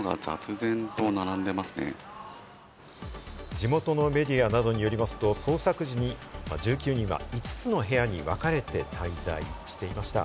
地元のメディアなどによりますと、捜索時に１９人は５つの部屋にわかれて滞在していました。